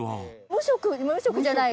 無色じゃない。